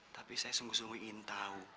tapi saya sungguh sungguh ingin tahu